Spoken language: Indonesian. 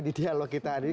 di dialog kita hari ini